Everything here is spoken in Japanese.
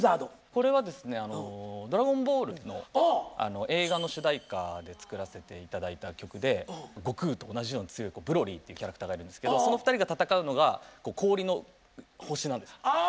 これはですね「ドラゴンボール」の映画の主題歌で作らせていただいた曲で悟空と同じように強いブロリーっていうキャラクターがいるんですけどその２人が戦うのが氷の星なんです。